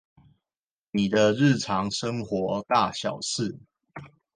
你的日常生活大小事